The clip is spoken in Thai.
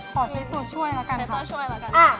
ขอใช้ตัวช่วยแล้วกันครับ